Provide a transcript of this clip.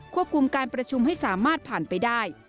ควบคุมการประชุมให้สามารถผ่านไปได้